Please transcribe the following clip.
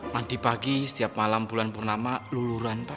mandi pagi setiap malam bulan purnama luluran pak